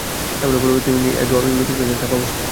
এমনও বলা যায় যে, তিনি এ দুআ করেছিলেন মৃত্যুশয্যায় থাকা অবস্থায়।